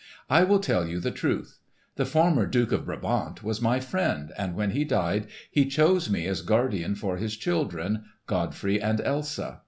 I will tell you the truth. The former Duke of Brabant was my friend, and when he died he chose me as guardian for his children, Godfrey and Elsa.